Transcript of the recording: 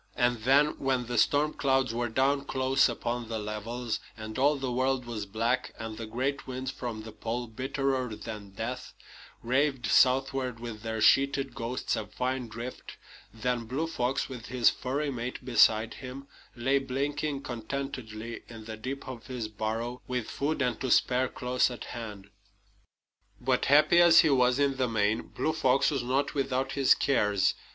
And then, when the storm clouds were down close upon the levels, and all the world was black, and the great winds from the Pole, bitterer than death, raved southward with their sheeted ghosts of fine drift then Blue Fox, with his furry mate beside him, lay blinking contentedly in the deep of his burrow, with food and to spare close at hand. But happy as he was in the main, Blue Fox was not without his cares.